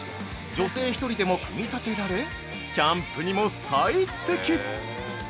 女性１人でも組み立てられ、キャンプにも最適！